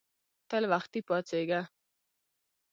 تل وختي پاڅیږه